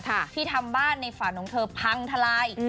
ที่ทำบ้านในฝันของเธอพังทลาย